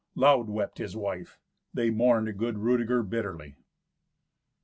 Loud wept his wife. They mourned good Rudeger bitterly.